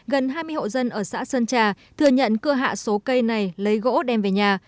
gần hai mươi hộ dân ở xã sơn trà thừa nhận cưa hạ số cây này lấy gỗ đem về nhà